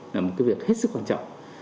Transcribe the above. là một việc hết sức quan trọng